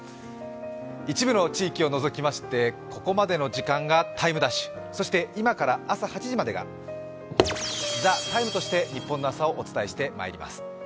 一部の地域を除きまして、ここまでの時間が「ＴＩＭＥ’」、そして今から朝８時までが「ＴＨＥＴＩＭＥ，」として日本の朝をお伝えしてまいります。